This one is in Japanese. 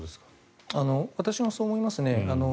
私もそう思います。